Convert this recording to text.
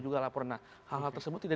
juga laporan nah hal hal tersebut tidak